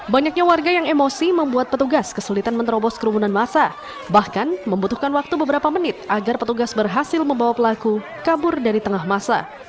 banyaknya warga yang emosi membuat petugas kesulitan menerobos kerumunan masa bahkan membutuhkan waktu beberapa menit agar petugas berhasil membawa pelaku kabur dari tengah masa